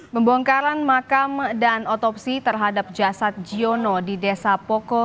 pembongkaran makam dan otopsi terhadap jasad jiono di desa poko